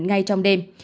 ngay trong đêm